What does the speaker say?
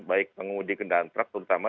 baik pengumudi kendaraan truk terutama